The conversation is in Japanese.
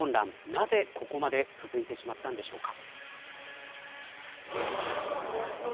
なぜ、ここまで続いてしまったのでしょうか。